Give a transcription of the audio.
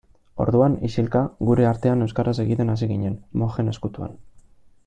Orduan, isilka, gure artean euskaraz egiten hasi ginen, mojen ezkutuan.